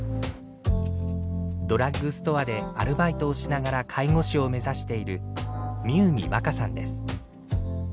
ドラッグストアでアルバイトをしながら介護士を目指している深海若さんです。